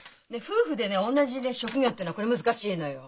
夫婦でね同じ職業ってのはこれ難しいのよ。